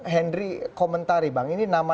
henry komentari bang ini nama